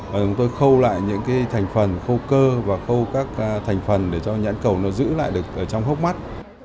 và chúng tôi khâu lại những thành phần khâu cơ và khâu các thành phần để cho nhãn cầu nó giữ lại được ở trong hốc mắt